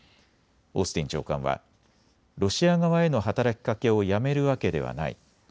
オースティン長官はロシア側への働きかけをやめるわけではない。